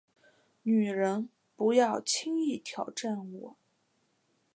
女人，不要轻易挑战我